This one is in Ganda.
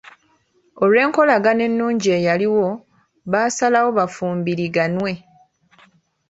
Olw'enkolagana ennungi eyaliwo baasalawo bafumbiriganwe.